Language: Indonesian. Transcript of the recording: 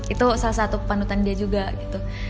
itu salah satu panutan dia juga gitu